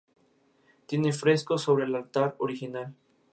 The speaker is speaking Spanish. Juan de Ibelín, Señor de Beirut.